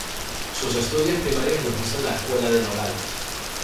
Sus estudios primarios los hizo en la Escuela de Nogales.